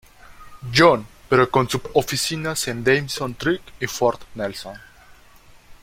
John pero con sub-oficinas en Dawson Creek y Fort Nelson.